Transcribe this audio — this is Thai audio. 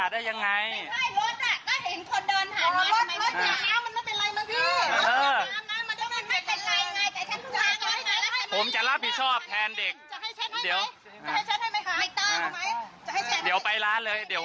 อะไรจะขนาดนั้น